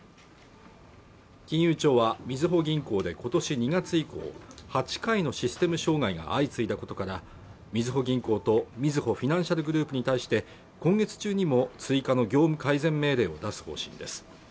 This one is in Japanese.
金融庁はみずほ銀行で今年２月以降８回のシステム障害が相次いだことからみずほ銀行とみずほフィナンシャルグループに対して今月中にも追加の業務改善命令を出す方針です